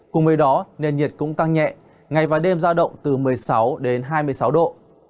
cùng với đó nền nhiệt cũng tăng nhẹ ngày và đêm giao động từ một mươi sáu đến hai mươi sáu độ